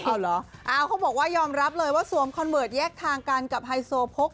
เอาเหรออ้าวเขาบอกว่ายอมรับเลยว่าสวมคอนเวิร์ตแยกทางกันกับไฮโซโพก